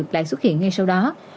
lại xuất hiện ngay sau đó